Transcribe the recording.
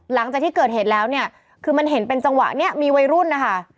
หลังจากที่เกิดเหตุแล้วเนี่ยคือมันเห็นเป็นจังหวะเนี่ยมีวัยรุ่นนะคะ